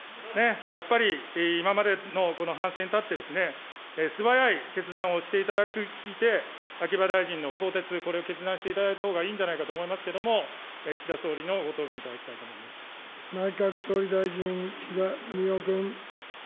やっぱり今までのこの反省に立って、素早い決断をしていただいて、秋葉大臣の更迭、これを決断していただいたほうがいいんじゃないかと思いますけれども、岸田総理のご答弁をいただきたいと思いま内閣総理大臣、岸田文雄君。